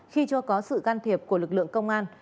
khi chưa có sự can thiệp của lực lượng công an